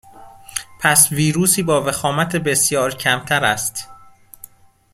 پس ویروسی با وخامت بسیار کمتر است